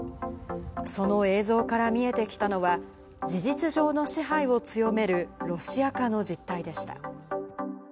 その映像から見えてきたのは、事実上の支配を強めるロシア化の実態でした。